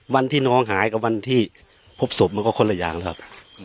วันที่น้องหายกับวันที่พบศพมันก็คนละอย่างครับ